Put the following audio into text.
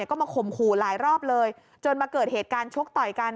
ก็มาข่มขู่หลายรอบเลยจนมาเกิดเหตุการณ์ชกต่อยกัน